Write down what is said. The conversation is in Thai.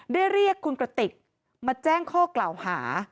เรียกคุณกระติกมาแจ้งข้อกล่าวหา